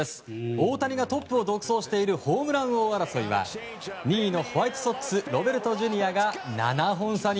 大谷がトップを独走しているホームラン王争いは２位のホワイトソックスロベルトＪｒ．が７本差に。